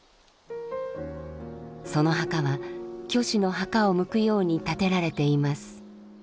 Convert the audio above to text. その墓は虚子の墓を向くように建てられています。